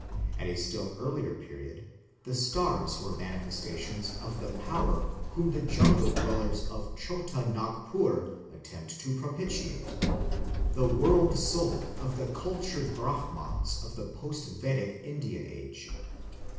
At a still earlier period the stars were manifestations of the Power whom the jungle dwellers of Chota Nagpur attempt to propitiate the "world soul" of the cultured Brahmans of the post Vedic Indian Age.